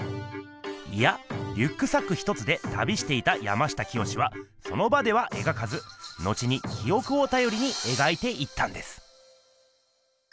いやリュックサック１つで旅していた山下清はその場ではえがかずのちにきおくをたよりにえがいていったんです。